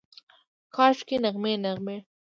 کاشکي، نغمې، نغمې